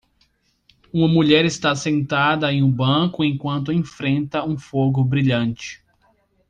Uma mulher está sentada em um banco enquanto enfrenta um fogo brilhante.